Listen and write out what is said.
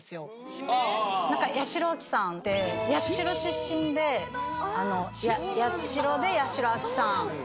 八代亜紀さんて八代出身で八代で八代亜紀さん。